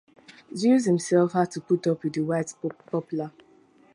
Zeus himself had to put up with the white poplar.